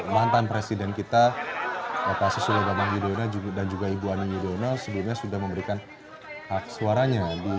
makan presiden kita bapak siswelo bambang yudhoyona dan ibu ani yudhoyono sebelumnya sudah memberikan aksuaranya di tps